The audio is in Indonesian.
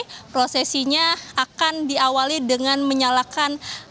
jadi prosesinya akan diawali dengan menyalakan api